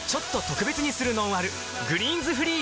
「グリーンズフリー」